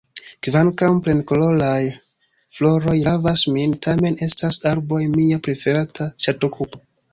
Kvankam plenkoloraj floroj ravas min, tamen estas arboj mia preferata ŝatokupo.